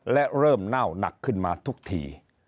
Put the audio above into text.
และเริ่มเน่าหนักขึ้นมาทุกที